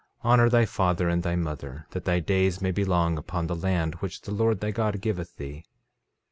13:20 Honor thy father and thy mother, that thy days may be long upon the land which the Lord thy God giveth thee.